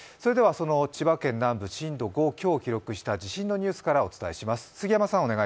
千葉県南部震度５強を記録した地震のニュースからお伝えします。